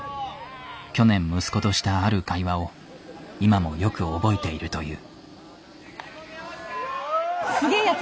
去年息子としたある会話を今もよく覚えているという。